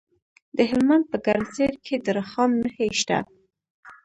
د هلمند په ګرمسیر کې د رخام نښې شته.